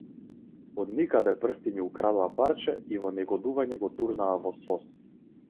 Од никаде прстиња украдоа парче и во негодување го турнаа во сос.